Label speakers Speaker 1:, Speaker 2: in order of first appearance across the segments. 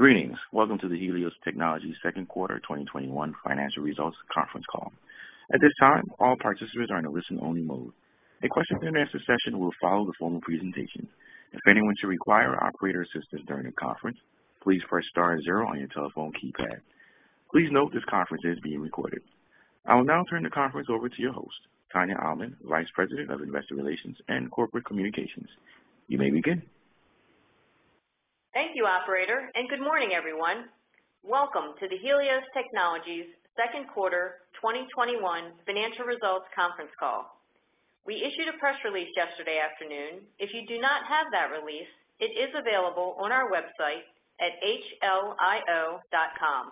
Speaker 1: Greetings. Welcome to the Helios Technologies second quarter 2021 financial results conference call. At this time, all participants are in a listen-only mode. A question and answer session will follow the formal presentation. If anyone should require operator assistance during the conference, please press star 0 on your telephone keypad. Please note this conference is being recorded. I will now turn the conference over to your host, Tania Almond, Vice President of Investor Relations and Corporate Communications. You may begin.
Speaker 2: Thank you operator, good morning, everyone. Welcome to the Helios Technologies second quarter 2021 financial results conference call. We issued a press release yesterday afternoon. If you do not have that release, it is available on our website at hlio.com.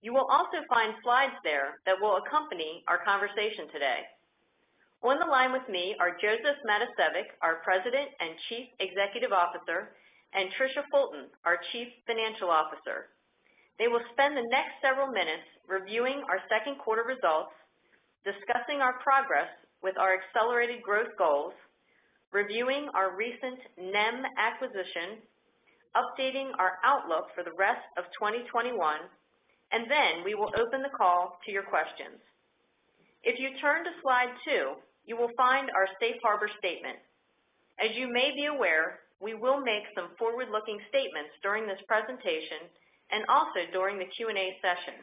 Speaker 2: You will also find slides there that will accompany our conversation today. On the line with me are Josef Matosevic, our President and Chief Executive Officer, and Tricia Fulton, our Chief Financial Officer. They will spend the next several minutes reviewing our second quarter results, discussing our progress with our accelerated growth goals, reviewing our recent NEM acquisition, updating our outlook for the rest of 2021, and then we will open the call to your questions. If you turn to Slide 2, you will find our safe harbor statement. As you may be aware, we will make some forward-looking statements during this presentation and also during the Q&A session.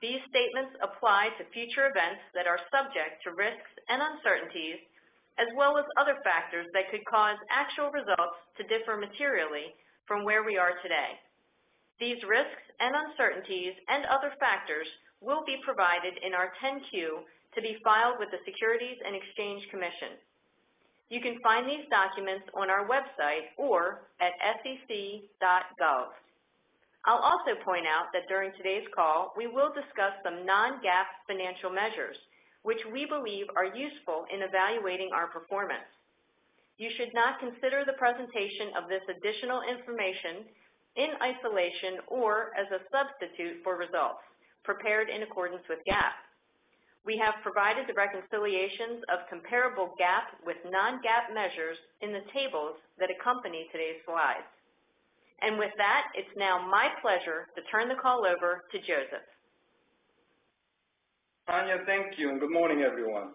Speaker 2: These statements apply to future events that are subject to risks and uncertainties, as well as other factors that could cause actual results to differ materially from where we are today. These risks and uncertainties and other factors will be provided in our 10-Q to be filed with the Securities and Exchange Commission. You can find these documents on our website or at sec.gov. I'll also point out that during today's call, we will discuss some Non-GAAP financial measures which we believe are useful in evaluating our performance. You should not consider the presentation of this additional information in isolation or as a substitute for results prepared in accordance with GAAP. We have provided the reconciliations of comparable GAAP with Non-GAAP measures in the tables that accompany today's slides. With that, it's now my pleasure to turn the call over to Josef.
Speaker 3: Tania, thank you, and good morning, everyone.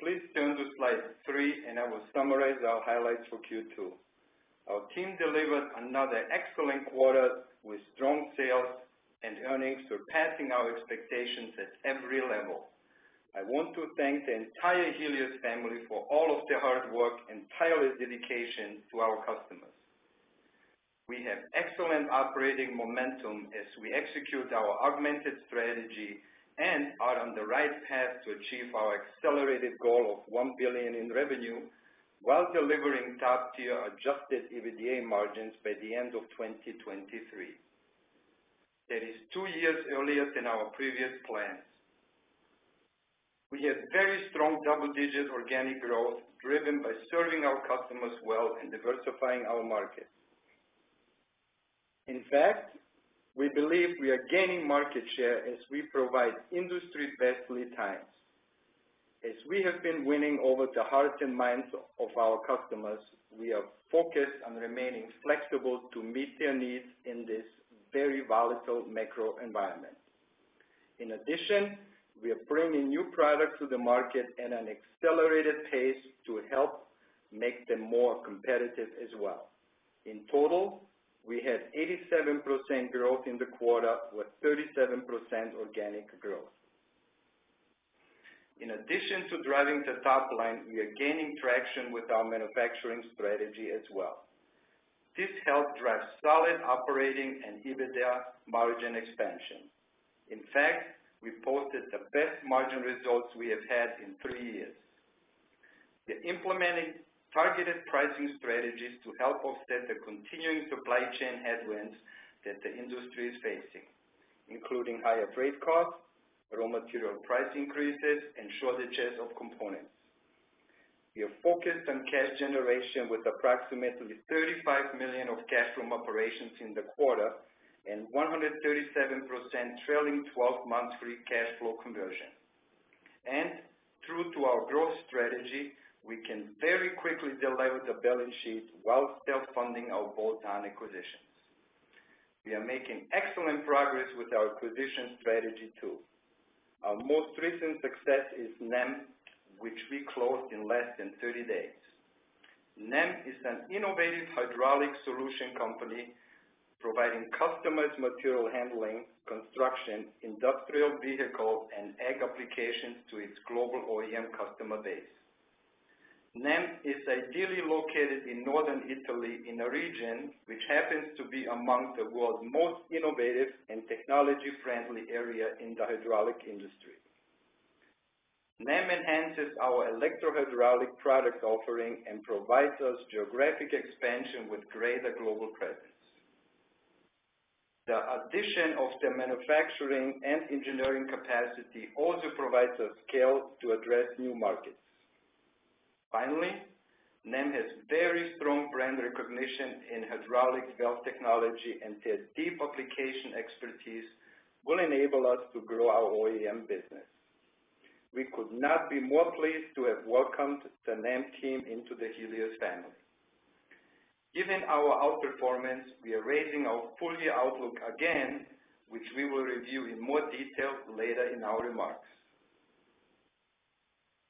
Speaker 3: Please turn to Slide 3, and I will summarize our highlights for Q2. Our team delivered another excellent quarter with strong sales and earnings surpassing our expectations at every level. I want to thank the entire Helios family for all of their hard work and tireless dedication to our customers. We have excellent operating momentum as we execute our augmented strategy and are on the right path to achieve our accelerated goal of $1 billion in revenue while delivering top-tier adjusted EBITDA margins by the end of 2023. That is two years earlier than our previous plans. We have very strong double-digit organic growth driven by serving our customers well and diversifying our market. In fact, we believe we are gaining market share as we provide industry best lead times. As we have been winning over the hearts and minds of our customers, we are focused on remaining flexible to meet their needs in this very volatile macro environment. In addition, we are bringing new products to the market at an accelerated pace to help make them more competitive as well. In total, we had 87% growth in the quarter, with 37% organic growth. In addition to driving the top line, we are gaining traction with our manufacturing strategy as well. This helped drive solid operating and EBITDA margin expansion. In fact, we posted the best margin results we have had in 3 years. We implemented targeted pricing strategies to help offset the continuing supply chain headwinds that the industry is facing, including higher freight costs, raw material price increases, and shortages of components. We are focused on cash generation with approximately $35 million of cash from operations in the quarter and 137% trailing 12-month free cash flow conversion. True to our growth strategy, we can very quickly delever the balance sheet while still funding our bolt-on acquisitions. We are making excellent progress with our acquisition strategy, too. Our most recent success is NEM, which we closed in less than 30 days. NEM is an innovative hydraulic solution company providing customized material handling, construction, industrial vehicle, and ag applications to its global OEM customer base. NEM is ideally located in northern Italy in a region which happens to be among the world's most innovative and technology-friendly area in the hydraulic industry. NEM enhances our electro-hydraulic product offering and provides us geographic expansion with greater global presence. The addition of the manufacturing and engineering capacity also provides us scale to address new markets. NEM has very strong brand recognition in hydraulics valve technology, and their deep application expertise will enable us to grow our OEM business. We could not be more pleased to have welcomed the NEM team into the Helios family. Given our outperformance, we are raising our full-year outlook again, which we will review in more detail later in our remarks.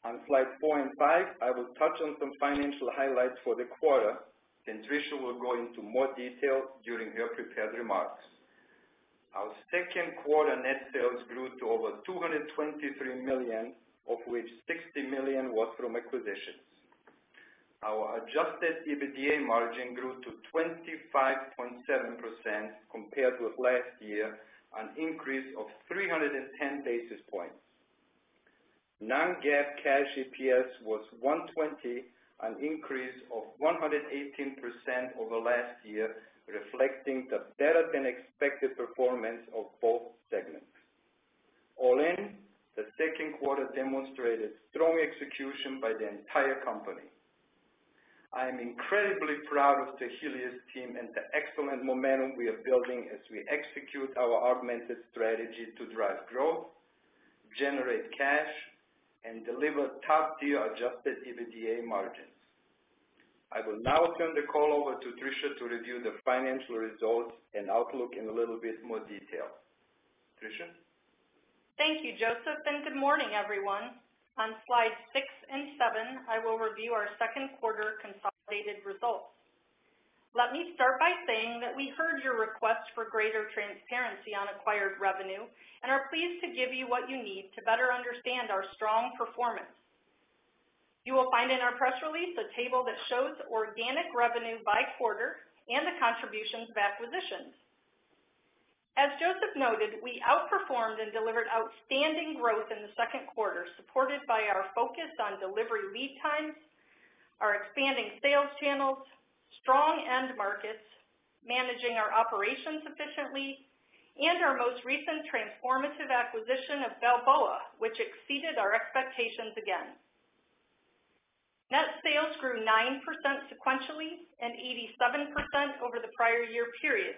Speaker 3: On slides 4 and 5, I will touch on some financial highlights for the quarter, then Tricia will go into more detail during her prepared remarks. Our second quarter net sales grew to over $223 million, of which $60 million was from acquisitions. Our adjusted EBITDA margin grew to 25.7% compared with last year, an increase of 310 basis points. Non-GAAP cash EPS was $1.20, an increase of 118% over last year, reflecting the better-than-expected performance of both segments. All in, the second quarter demonstrated strong execution by the entire company. I am incredibly proud of the Helios team and the excellent momentum we are building as we execute our augmented strategy to drive growth, generate cash, and deliver top-tier adjusted EBITDA margins. I will now turn the call over to Tricia to review the financial results and outlook in a little bit more detail. Tricia?
Speaker 4: Thank you, Josef, good morning, everyone. On slides 6 and 7, I will review our second quarter consolidated results. Let me start by saying that we heard your request for greater transparency on acquired revenue and are pleased to give you what you need to better understand our strong performance. You will find in our press release a table that shows organic revenue by quarter and the contributions of acquisitions. As Josef noted, we outperformed and delivered outstanding growth in the second quarter, supported by our focus on delivery lead times, our expanding sales channels, strong end markets, managing our operations efficiently, and our most recent transformative acquisition of Balboa, which exceeded our expectations again. Net sales grew 9% sequentially and 87% over the prior year period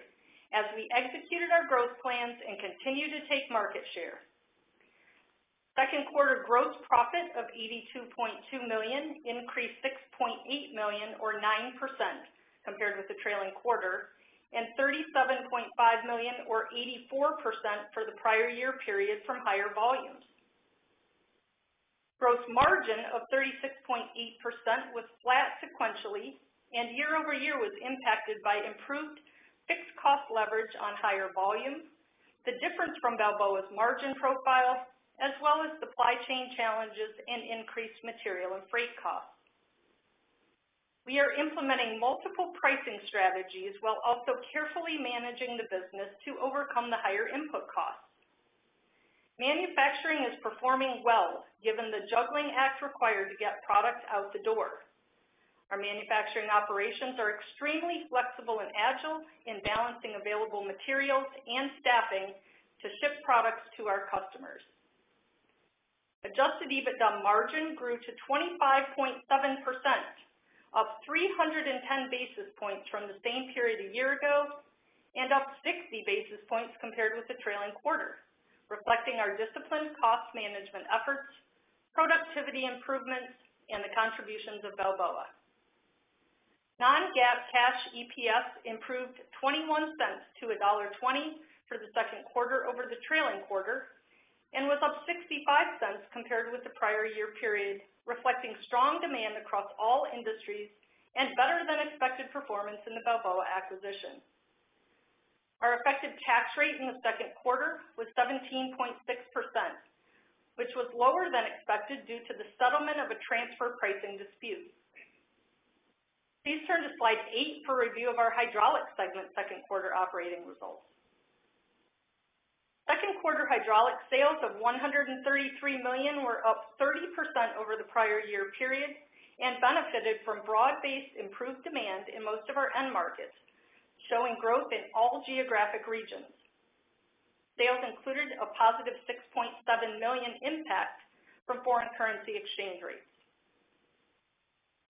Speaker 4: as we executed our growth plans and continued to take market share. Second quarter gross profit of $82.2 million increased $6.8 million or 9% compared with the trailing quarter, and $37.5 million or 84% for the prior year period from higher volumes. Gross margin of 36.8% was flat sequentially and year-over-year was impacted by improved fixed cost leverage on higher volumes, the difference from Balboa's margin profile, as well as supply chain challenges and increased material and freight costs. We are implementing multiple pricing strategies while also carefully managing the business to overcome the higher input costs. Manufacturing is performing well given the juggling act required to get product out the door. Our manufacturing operations are extremely flexible and agile in balancing available materials and staffing to ship products to our customers. Adjusted EBITDA margin grew to 25.7%, up 310 basis points from the same period a year ago and up 60 basis points compared with the trailing quarter, reflecting our disciplined cost management efforts, productivity improvements, and the contributions of Balboa. Non-GAAP cash EPS improved $0.21-$1.20 for the second quarter over the trailing quarter and was up $0.65 compared with the prior year period, reflecting strong demand across all industries and better than expected performance in the Balboa acquisition. Our effective tax rate in the second quarter was 17.6%, which was lower than expected due to the settlement of a transfer pricing dispute. Please turn to slide 8 for review of our Hydraulics segment second quarter operating results. Second quarter Hydraulics sales of $133 million were up 30% over the prior year period and benefited from broad-based improved demand in most of our end markets, showing growth in all geographic regions. Sales included a positive $6.7 million impact from foreign currency exchange rates.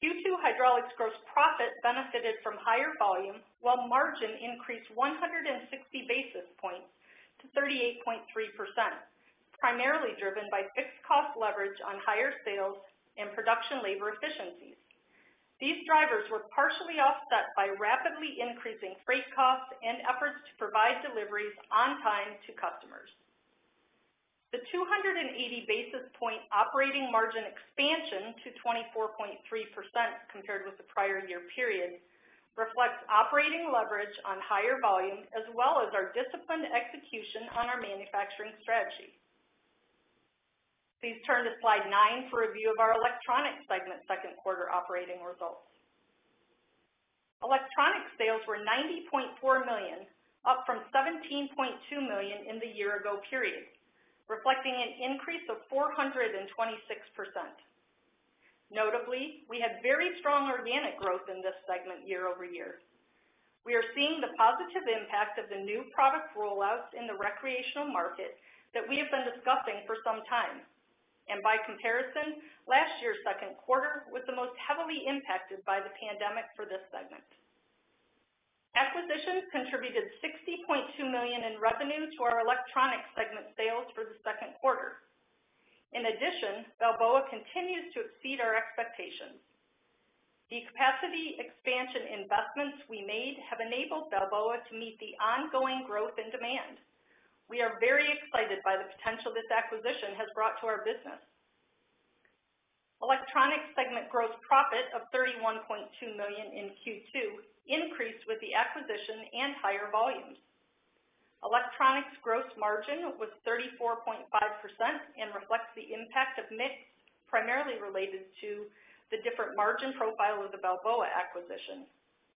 Speaker 4: Q2 Hydraulics gross profit benefited from higher volume while margin increased 160 basis points to 38.3%, primarily driven by fixed cost leverage on higher sales and production labor efficiencies. These drivers were partially offset by rapidly increasing freight costs and efforts to provide deliveries on time to customers. The 280 basis point operating margin expansion to 24.3% compared with the prior year period reflects operating leverage on higher volumes as well as our disciplined execution on our manufacturing strategy. Please turn to slide 9 for review of our Electronics segment second quarter operating results. Electronics sales were $90.4 million, up from $17.2 million in the year ago period, reflecting an increase of 426%. Notably, we had very strong organic growth in this segment year-over-year. We are seeing the positive impact of the new product rollouts in the recreational market that we have been discussing for some time. By comparison, last year's second quarter was the most heavily impacted by the pandemic for this segment. Acquisitions contributed $60.2 million in revenue to our Electronics segment sales for the second quarter. In addition, Balboa continues to exceed our expectations. The capacity expansion investments we made have enabled Balboa to meet the ongoing growth and demand. We are very excited by the potential this acquisition has brought to our business. Electronics segment gross profit of $31.2 million in Q2 increased with the acquisition and higher volumes. Electronics gross margin was 34.5% and reflects the impact of mix primarily related to the different margin profile of the Balboa acquisition,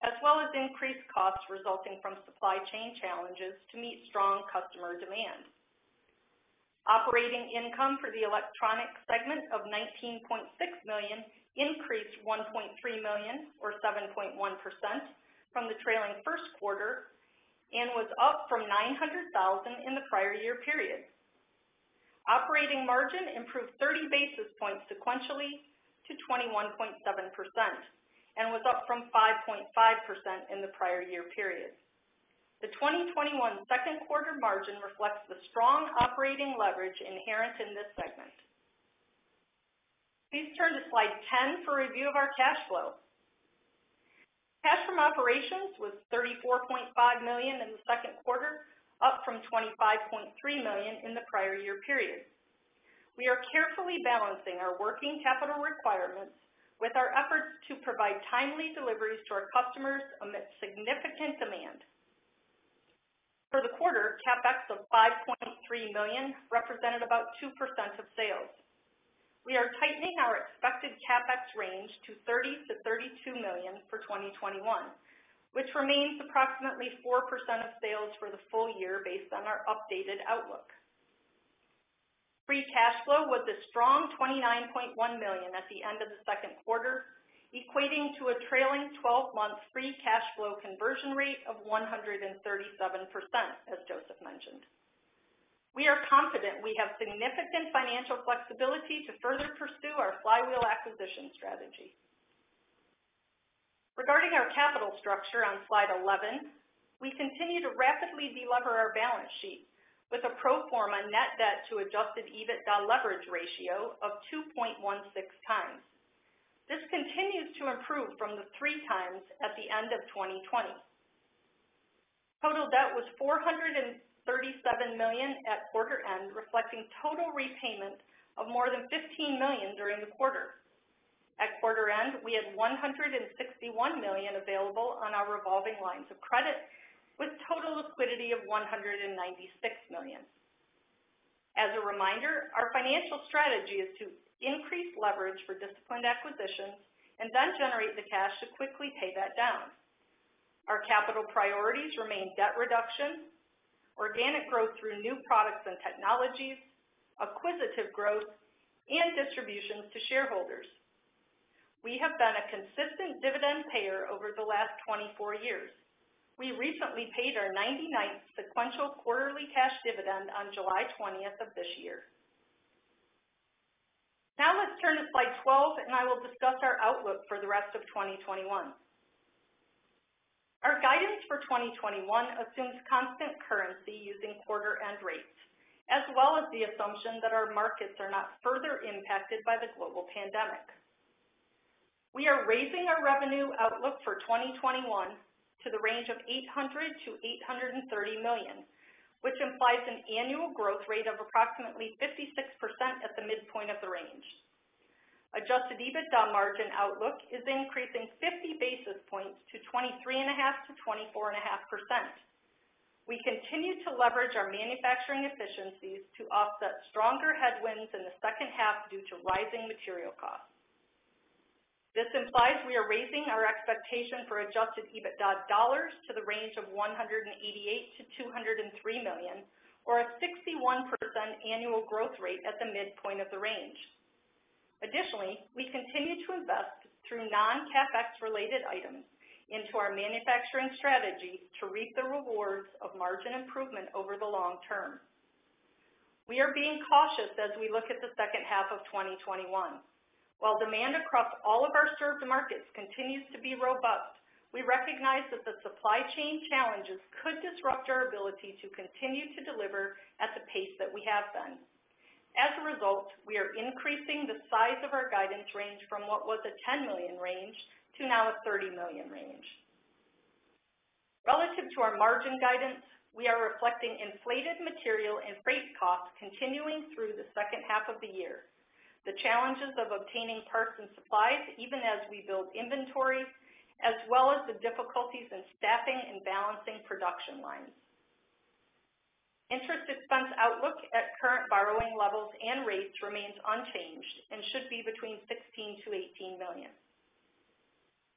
Speaker 4: as well as increased costs resulting from supply chain challenges to meet strong customer demand. Operating income for the Electronics segment of $19.6 million increased $1.3 million or 7.1% from the trailing first quarter and was up from $900,000 in the prior year period. Operating margin improved 30 basis points sequentially to 21.7% and was up from 5.5% in the prior year period. The 2021 second quarter margin reflects the strong operating leverage inherent in this segment. Please turn to slide 10 for review of our cash flow. Cash from operations was $34.5 million in the second quarter, up from $25.3 million in the prior year period. We are carefully balancing our working capital requirements with our efforts to provide timely deliveries to our customers amidst significant demand. For the quarter, CapEx of $5.3 million represented about 2% of sales. We are tightening our expected CapEx range to $30 million-$32 million for 2021, which remains approximately 4% of sales for the full year based on our updated outlook. Free cash flow was a strong $29.1 million at the end of the second quarter, equating to a trailing 12-month free cash flow conversion rate of 137%, as Josef mentioned. We are confident we have significant financial flexibility to further pursue our flywheel acquisition strategy. Regarding our capital structure on Slide 11, we continue to rapidly delever our balance sheet with a pro forma net debt to adjusted EBITDA leverage ratio of 2.16x. This continues to improve from the 3x at the end of 2020. Total debt was $437 million at quarter end, reflecting total repayment of more than $15 million during the quarter. At quarter end, we had $161 million available on our revolving lines of credit, with total liquidity of $196 million. As a reminder, our financial strategy is to increase leverage for disciplined acquisitions and then generate the cash to quickly pay that down. Our capital priorities remain debt reduction, organic growth through new products and technologies, acquisitive growth, and distributions to shareholders. We have been a consistent dividend payer over the last 24 years. We recently paid our 99th sequential quarterly cash dividend on July 20th of this year. Let's turn to slide 12, and I will discuss our outlook for the rest of 2021. Our guidance for 2021 assumes constant currency using quarter-end rates, as well as the assumption that our markets are not further impacted by the global pandemic. We are raising our revenue outlook for 2021 to the range of $800 million-$830 million, which implies an annual growth rate of approximately 56% at the midpoint of the range. Adjusted EBITDA margin outlook is increasing 50 basis points to 23.5%-24.5%. We continue to leverage our manufacturing efficiencies to offset stronger headwinds in the second half due to rising material costs. This implies we are raising our expectation for adjusted EBITDA dollars to the range of $188 million-$203 million, or a 61% annual growth rate at the midpoint of the range. We continue to invest through non-CapEx related items into our manufacturing strategy to reap the rewards of margin improvement over the long term. We are being cautious as we look at the second half of 2021. While demand across all of our served markets continues to be robust, we recognize that the supply chain challenges could disrupt our ability to continue to deliver at the pace that we have been. As a result, we are increasing the size of our guidance range from what was a $10 million range to now a $30 million range. Relative to our margin guidance, we are reflecting inflated material and freight costs continuing through the second half of the year, the challenges of obtaining parts and supplies, even as we build inventories, as well as the difficulties in staffing and balancing production lines. Interest expense outlook at current borrowing levels and rates remains unchanged and should be between $16 million-$18 million.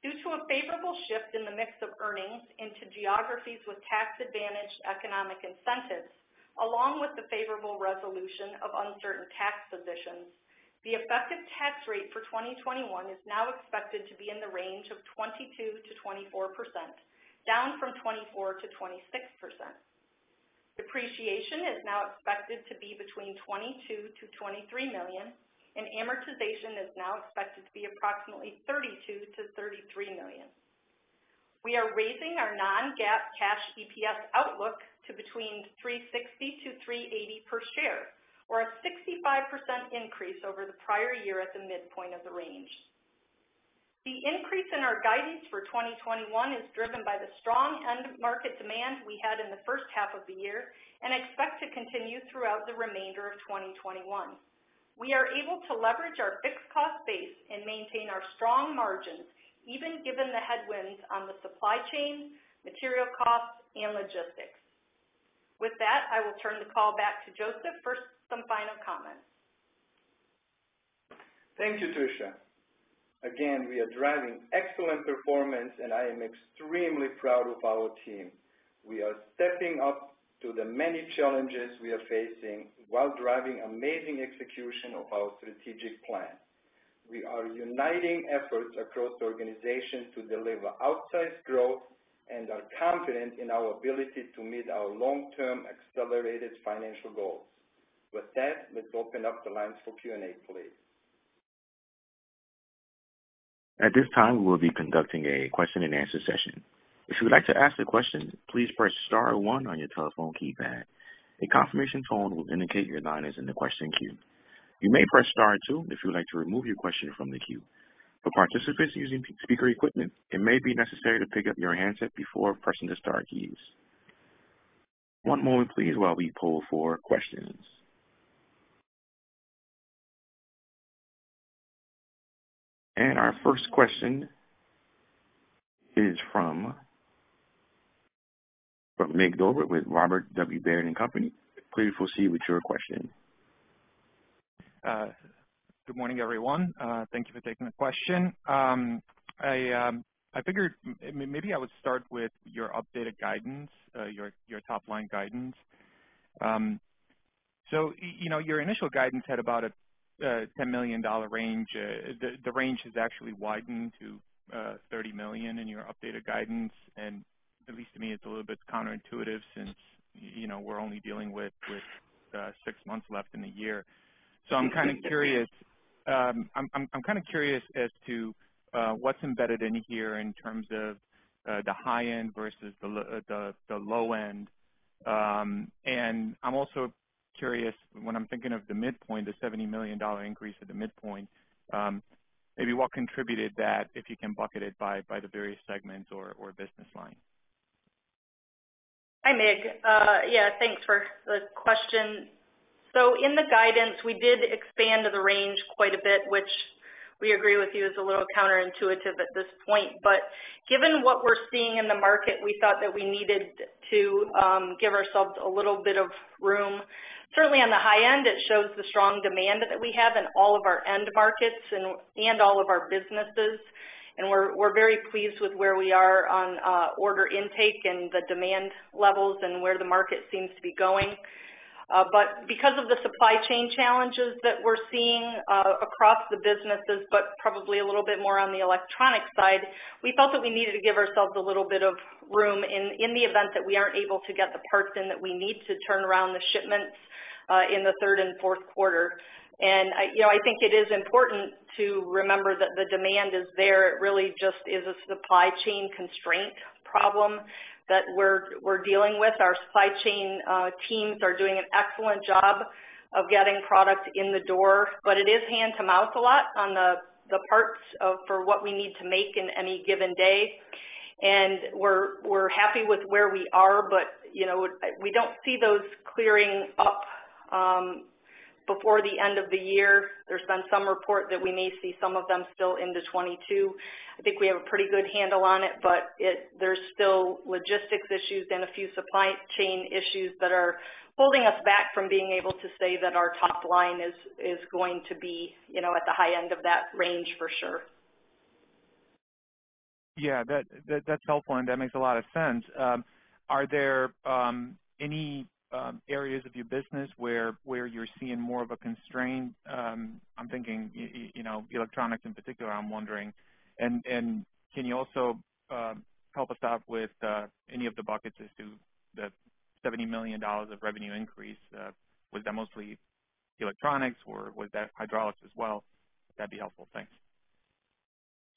Speaker 4: Due to a favorable shift in the mix of earnings into geographies with tax advantage economic incentives, along with the favorable resolution of uncertain tax positions, the effective tax rate for 2021 is now expected to be in the range of 22%-24%, down from 24%-26%. Depreciation is now expected to be between $22 million-$23 million, and amortization is now expected to be approximately $32 million-$33 million. We are raising our Non-GAAP cash EPS outlook to between $3.60-$3.80 per share, or a 65% increase over the prior year at the midpoint of the range. The increase in our guidance for 2021 is driven by the strong end market demand we had in the first half of the year and expect to continue throughout the remainder of 2021. We are able to leverage our fixed cost base and maintain our strong margins, even given the headwinds on the supply chain, material costs, and logistics. With that, I will turn the call back to Josef for some final comments.
Speaker 3: Thank you, Tricia. Again, we are driving excellent performance, and I am extremely proud of our team. We are stepping up to the many challenges we are facing while driving amazing execution of our strategic plan. We are uniting efforts across the organization to deliver outsized growth and are confident in our ability to meet our long-term accelerated financial goals. With that, let's open up the lines for Q&A, please.
Speaker 1: Our first question is from Mig Dobre with Robert W. Baird & Co. Please proceed with your question.
Speaker 5: Good morning, everyone. Thank you for taking the question. I figured maybe I would start with your updated guidance, your top-line guidance. Your initial guidance had about a $10 million range. The range has actually widened to $30 million in your updated guidance. At least to me, it's a little bit counterintuitive since we're only dealing with 6 months left in the year. I'm kind of curious as to what's embedded in here in terms of the high end versus the low end. I'm also curious when I'm thinking of the midpoint, the $70 million increase at the midpoint, maybe what contributed that, if you can bucket it by the various segments or business line.
Speaker 4: Hi, Mig. Yeah, thanks for the question. In the guidance, we did expand the range quite a bit, which we agree with you is a little counterintuitive at this point. Given what we're seeing in the market, we thought that we needed to give ourselves a little bit of room. Certainly, on the high end, it shows the strong demand that we have in all of our end markets and all of our businesses. We're very pleased with where we are on order intake and the demand levels and where the market seems to be going. Because of the supply chain challenges that we're seeing across the businesses, but probably a little bit more on the electronic side, we felt that we needed to give ourselves a little bit of room in the event that we aren't able to get the parts in that we need to turn around the shipments in the third and fourth quarter. I think it is important to remember that the demand is there. It really just is a supply chain constraint problem that we're dealing with. Our supply chain teams are doing an excellent job of getting product in the door, but it is hand to mouth a lot on the parts for what we need to make in any given day. We're happy with where we are, but we don't see those clearing up before the end of the year. There's been some report that we may see some of them still into 2022. I think we have a pretty good handle on it, but there's still logistics issues and a few supply chain issues that are holding us back from being able to say that our top line is going to be at the high end of that range for sure.
Speaker 5: Yeah, that's helpful, and that makes a lot of sense. Are there any areas of your business where you're seeing more of a constraint? I'm thinking Electronics in particular, I'm wondering. Can you also help us out with any of the buckets as to the $70 million of revenue increase? Was that mostly Electronics, or was that Hydraulics as well? That'd be helpful. Thanks.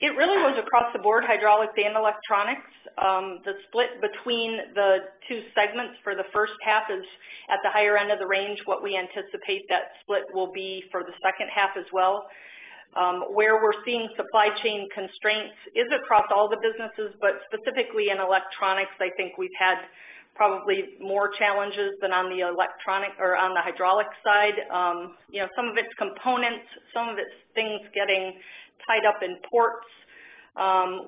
Speaker 4: It really was across the board, Hydraulics and Electronics. The split between the two segments for the first half is at the higher end of the range, what we anticipate that split will be for the second half as well. Where we're seeing supply chain constraints is across all the businesses, but specifically in Electronics, I think we've had probably more challenges than on the Hydraulic side. Some of it's components, some of it's things getting tied up in ports.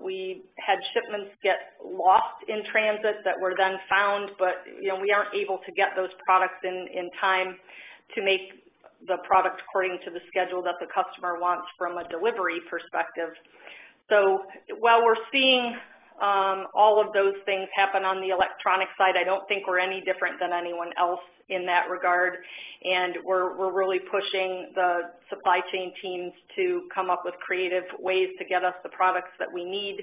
Speaker 4: We had shipments get lost in transit that were then found, but we aren't able to get those products in time to make the product according to the schedule that the customer wants from a delivery perspective. While we're seeing all of those things happen on the Electronics side, I don't think we're any different than anyone else in that regard. We're really pushing the supply chain teams to come up with creative ways to get us the products that we need.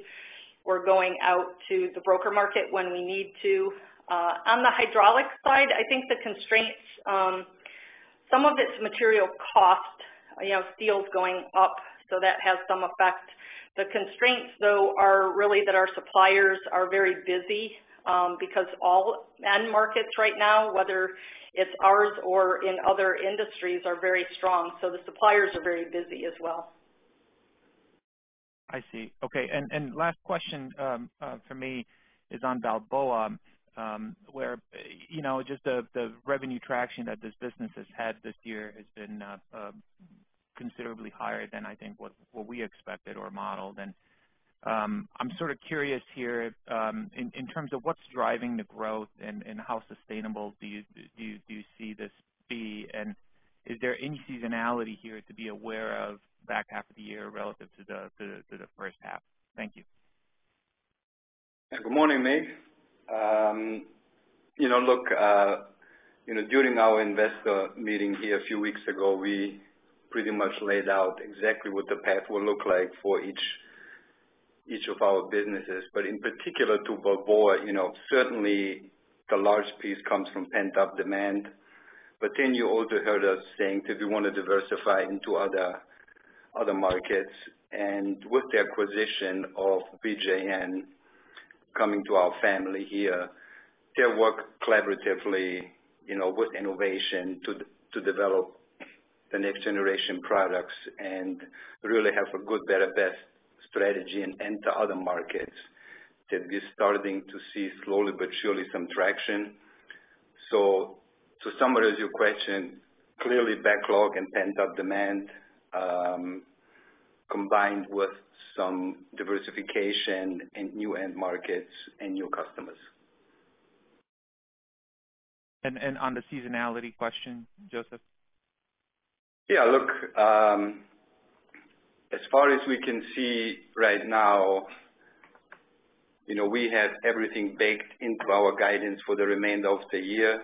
Speaker 4: We're going out to the broker market when we need to. On the Hydraulics side, I think the constraints, some of it's material cost. Steel's going up, so that has some effect. The constraints, though, are really that our suppliers are very busy, because all end markets right now, whether it's ours or in other industries, are very strong. The suppliers are very busy as well.
Speaker 5: I see. Okay. Last question from me is on Balboa, where just the revenue traction that this business has had this year has been considerably higher than I think what we expected or modeled. I'm sort of curious here, in terms of what's driving the growth and how sustainable do you see this be? Is there any seasonality here to be aware of back half of the year relative to the first half? Thank you.
Speaker 3: Good morning, Mig Dobre. During our investor meeting here a few weeks ago, we pretty much laid out exactly what the path will look like for each of our businesses. In particular to Balboa, certainly the large piece comes from pent-up demand. You also heard us saying that we want to diversify into other markets. With the acquisition of BWG coming to our family here, they work collaboratively with Enovation Controls to develop the next-generation products and really have a good, better, best strategy and enter other markets that we're starting to see slowly but surely some traction. To summarize your question, clearly backlog and pent-up demand, combined with some diversification in new end markets and new customers.
Speaker 5: On the seasonality question, Josef?
Speaker 3: Look, as far as we can see right now, we have everything baked into our guidance for the remainder of the year.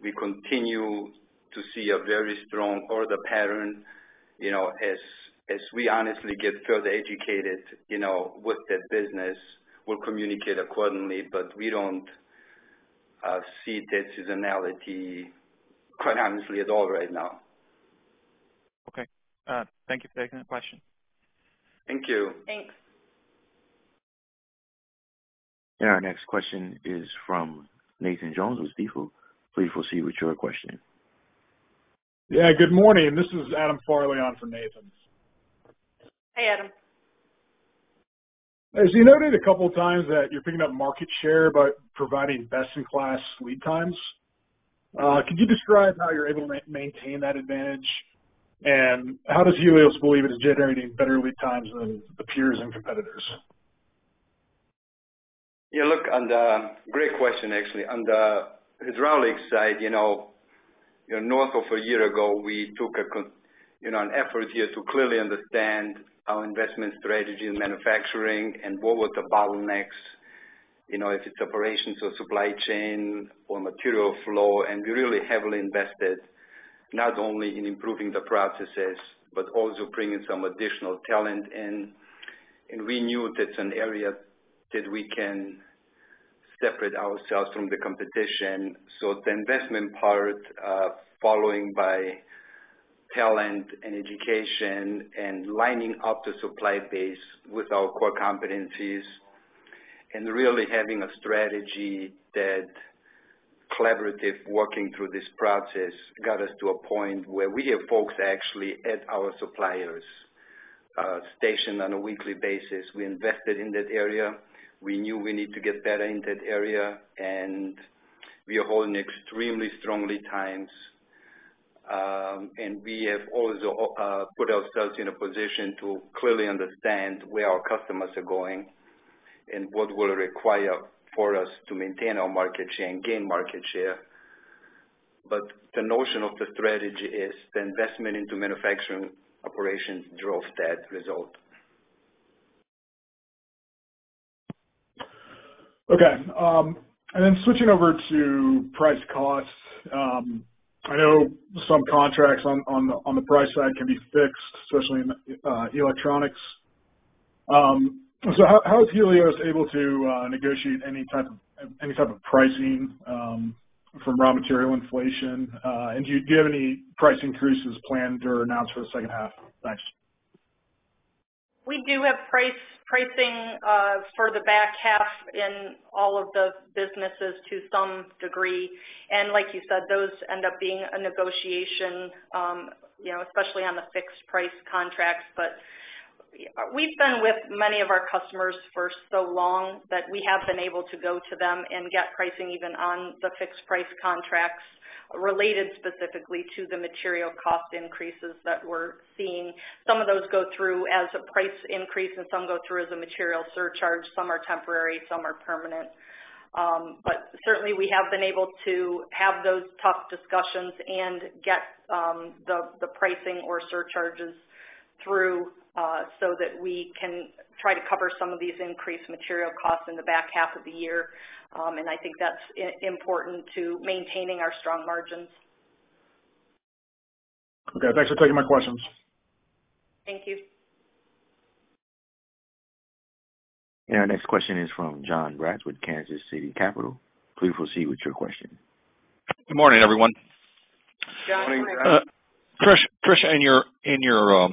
Speaker 3: We continue to see a very strong order pattern. As we honestly get further educated with that business, we'll communicate accordingly, but we don't see that seasonality, quite honestly, at all right now.
Speaker 5: Okay. Thank you for taking the question.
Speaker 3: Thank you.
Speaker 4: Thanks.
Speaker 1: Our next question is from Nathan Jones with Stifel. Please proceed with your question.
Speaker 6: Yeah, good morning. This is Adam Farley on for Nathan.
Speaker 4: Hey, Adam.
Speaker 6: As you noted a couple of times that you're picking up market share by providing best-in-class lead times. Could you describe how you're able to maintain that advantage, and how does Helios believe it is generating better lead times than the peers and competitors?
Speaker 3: Look, great question, actually. On the Hydraulics side, north of a year ago, we took an effort here to clearly understand our investment strategy in manufacturing and what were the bottlenecks, if it's operations or supply chain or material flow. We really heavily invested not only in improving the processes, but also bringing some additional talent in. We knew that's an area that we can separate ourselves from the competition. The investment part, following by talent and education and lining up the supply base with our core competencies, and really having a strategy that collaborative working through this process got us to a point where we have folks actually at our suppliers, stationed on a weekly basis. We invested in that area. We knew we need to get better in that area, and we are holding extremely strong lead times. We have also put ourselves in a position to clearly understand where our customers are going and what will require for us to maintain our market share and gain market share. The notion of the strategy is the investment into manufacturing operations drove that result.
Speaker 6: Okay. Switching over to price costs. I know some contracts on the price side can be fixed, especially in Electronics. How is Helios able to negotiate any type of pricing from raw material inflation? Do you have any price increases planned or announced for the second half? Thanks.
Speaker 4: We do have pricing for the back half in all of the businesses to some degree. Like you said, those end up being a negotiation, especially on the fixed price contracts. We've been with many of our customers for so long that we have been able to go to them and get pricing even on the fixed price contracts related specifically to the material cost increases that we're seeing. Some of those go through as a price increase and some go through as a material surcharge. Some are temporary, some are permanent. Certainly, we have been able to have those tough discussions and get the pricing or surcharges through so that we can try to cover some of these increased material costs in the back half of the year. I think that's important to maintaining our strong margins.
Speaker 6: Okay. Thanks for taking my questions.
Speaker 4: Thank you.
Speaker 1: Our next question is from Jon Braatz with Kansas City Capital Associates. Please proceed with your question.
Speaker 7: Good morning, everyone.
Speaker 4: Jon Braatz, good morning.
Speaker 3: Morning, Jon.
Speaker 7: Tricia, in your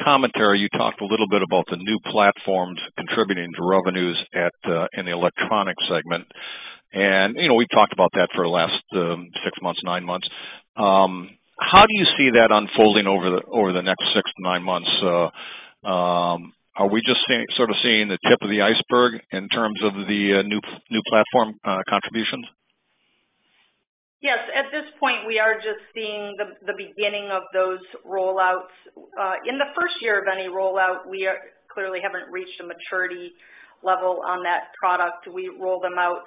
Speaker 7: commentary, you talked a little bit about the new platforms contributing to revenues in the Electronics segment. We've talked about that for the last 6 months, 9 months. How do you see that unfolding over the next 6 to 9 months? Are we just sort of seeing the tip of the iceberg in terms of the new platform contributions?
Speaker 4: Yes. At this point, we are just seeing the beginning of those rollouts. In the first year of any rollout, we clearly haven't reached a maturity level on that product. We roll them out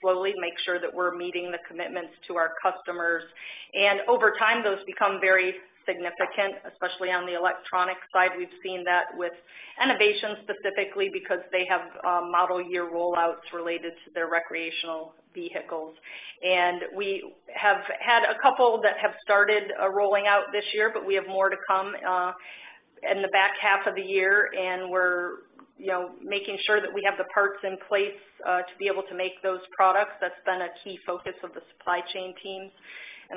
Speaker 4: slowly, make sure that we're meeting the commitments to our customers. Over time, those become very significant, especially on the electronic side. We've seen that with Enovation specifically because they have model year rollouts related to their recreational vehicles. We have had a couple that have started rolling out this year, but we have more to come in the back half of the year, and we're making sure that we have the parts in place to be able to make those products. That's been a key focus of the supply chain team.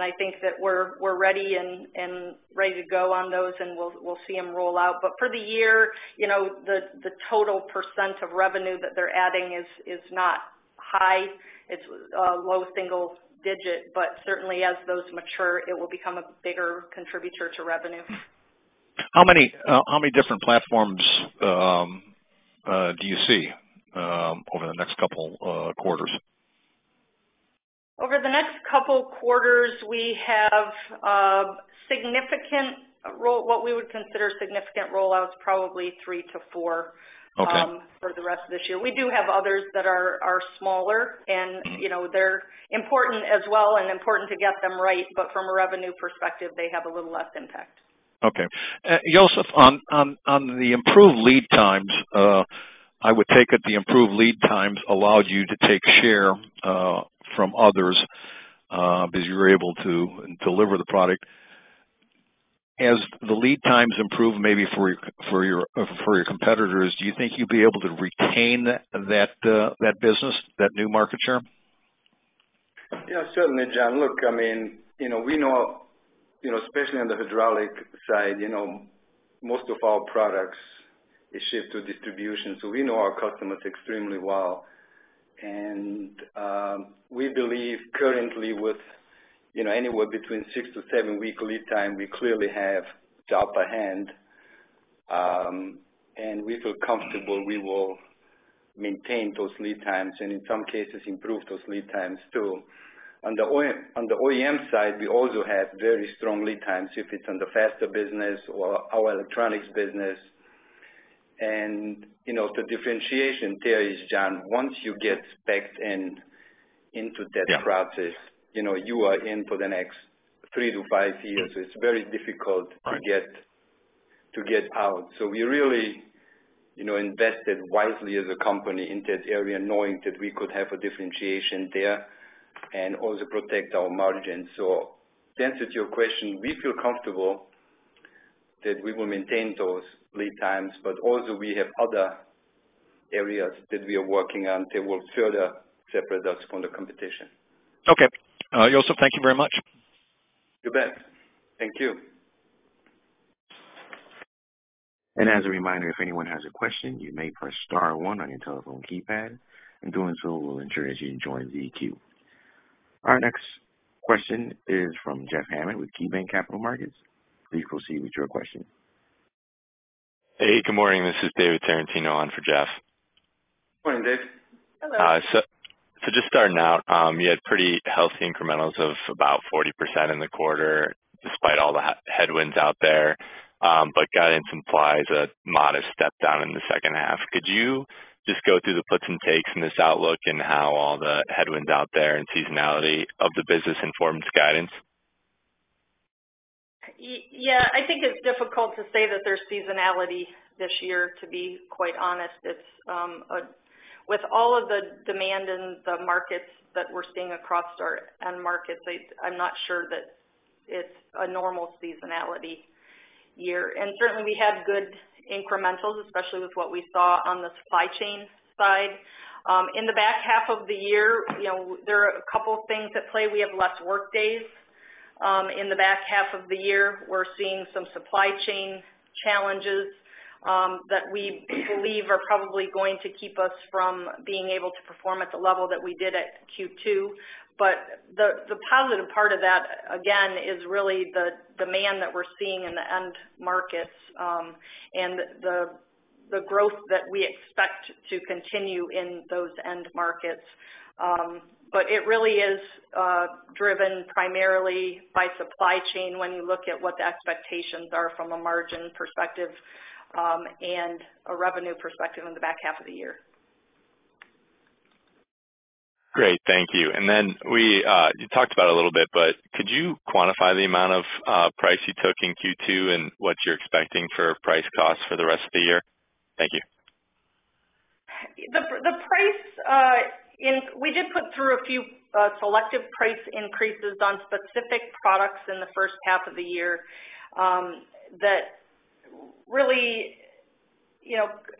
Speaker 4: I think that we're ready to go on those, and we'll see them roll out. For the year, the total % of revenue that they're adding is not high. It's low single digit, but certainly as those mature, it will become a bigger contributor to revenue.
Speaker 7: How many different platforms do you see over the next couple quarters?
Speaker 4: Over the next couple quarters, we have what we would consider significant rollouts, probably 3 to 4-
Speaker 7: Okay.
Speaker 4: for the rest of this year. We do have others that are smaller and they're important as well and important to get them right, but from a revenue perspective, they have a little less impact.
Speaker 7: Okay. Josef, on the improved lead times, I would take it the improved lead times allowed you to take share from others because you were able to deliver the product. As the lead times improve maybe for your competitors, do you think you'd be able to retain that business, that new market share?
Speaker 3: Yeah. Certainly, Jon. Look, especially on the Hydraulics side, most of our products is shipped to distribution. We know our customers extremely well. We believe currently with anywhere between 6 to 7-week lead time, we clearly have job at hand. We feel comfortable we will maintain those lead times, and in some cases improve those lead times, too. On the OEM side, we also have very strong lead times if it's on the Faster business or our Electronics business. The differentiation there is, Jon, once you get specced into that process.
Speaker 7: Yeah.
Speaker 3: you are in for the next 3-5 years. It's very difficult to get out. We really invested wisely as a company in that area knowing that we could have a differentiation there and also protect our margins. To answer your question, we feel comfortable that we will maintain those lead times, but also we have other areas that we are working on that will further separate us from the competition.
Speaker 7: Okay. Josef, thank you very much.
Speaker 3: You bet. Thank you.
Speaker 1: As a reminder, if anyone has a question, you may press star one on your telephone keypad. Doing so will enter you to join the queue. Our next question is from Jeff Hammond with KeyBanc Capital Markets. Please proceed with your question.
Speaker 8: Hey, good morning. This is David Tarantino on for Jeff.
Speaker 3: Morning, Dave.
Speaker 4: Hello.
Speaker 8: Just starting out, you had pretty healthy incrementals of about 40% in the quarter despite all the headwinds out there. Guidance implies a modest step down in the second half. Could you just go through the puts and takes in this outlook and how all the headwinds out there and seasonality of the business informs guidance?
Speaker 4: Yeah. I think it's difficult to say that there's seasonality this year, to be quite honest. With all of the demand in the markets that we're seeing across our end markets, I'm not sure that it's a normal seasonality year. Certainly we had good incrementals, especially with what we saw on the supply chain side. In the back half of the year, there are a couple things at play. We have less workdays. In the back half of the year, we're seeing some supply chain challenges that we believe are probably going to keep us from being able to perform at the level that we did at Q2. The positive part of that again, is really the demand that we're seeing in the end markets and the growth that we expect to continue in those end markets. It really is driven primarily by supply chain when you look at what the expectations are from a margin perspective and a revenue perspective in the back half of the year.
Speaker 8: Great. Thank you. You talked about it a little bit, but could you quantify the amount of price you took in Q2 and what you're expecting for price costs for the rest of the year? Thank you.
Speaker 4: We did put through a few selective price increases on specific products in the first half of the year that really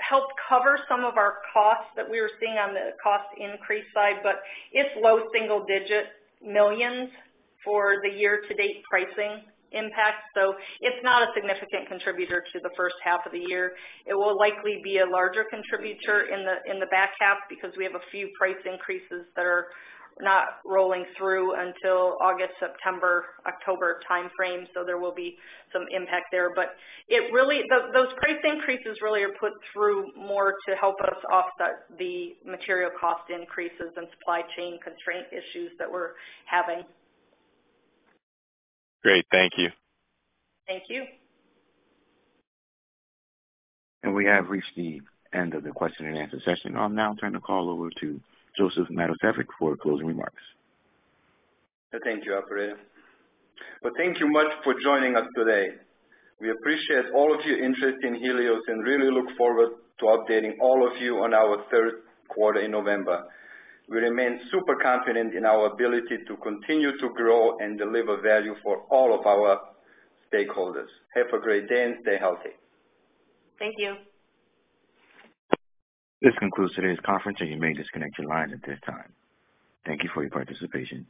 Speaker 4: helped cover some of our costs that we were seeing on the cost increase side, but it's low single-digit millions for the year-to-date pricing impact. It's not a significant contributor to the first half of the year. It will likely be a larger contributor in the back half because we have a few price increases that are not rolling through until August, September, October timeframe. There will be some impact there. Those price increases really are put through more to help us offset the material cost increases and supply chain constraint issues that we're having.
Speaker 8: Great. Thank you.
Speaker 4: Thank you.
Speaker 1: We have reached the end of the question and answer session. I'll now turn the call over to Josef Matosevic for closing remarks.
Speaker 3: Thank you, operator. Well, thank you much for joining us today. We appreciate all of your interest in Helios and really look forward to updating all of you on our third quarter in November. We remain super confident in our ability to continue to grow and deliver value for all of our stakeholders. Have a great day and stay healthy.
Speaker 4: Thank you.
Speaker 1: This concludes today's conference, and you may disconnect your lines at this time. Thank you for your participation.